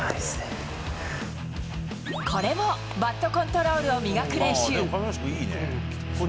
これもバットコントロールを磨く練習。